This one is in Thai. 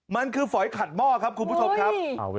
มันคือฝอยขัดหม้อครับคุณผู้ชมครับ